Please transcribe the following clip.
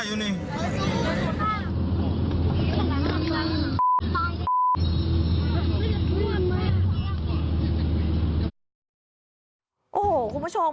โอ้โหคุณผู้ชม